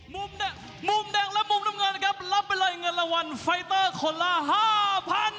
มุมมุมแดงและมุมน้ำเงินครับรับไปเลยเงินรางวัลไฟเตอร์คนละห้าพัน